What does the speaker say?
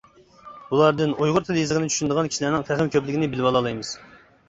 بۇلاردىن ئۇيغۇر تىل-يېزىقىنى چۈشىنىدىغان كىشىلەرنىڭ تېخىمۇ كۆپلۈكىنى بىلىۋالالايمىز.